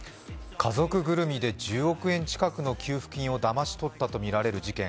家族ぐるみ１０億円近くの給付金をだまし取ったとみられる事件。